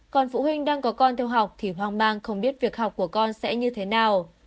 còn phụ huynh đang có con theo học thì hoang mang không biết việc học của con sẽ như thế nào